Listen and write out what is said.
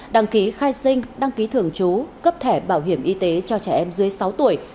đăng ký khai sinh đăng ký thường trú cấp thẻ bảo hiểm y tế cho trẻ em dưới sáu tuổi